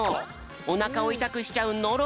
おなかをいたくしちゃうノロ。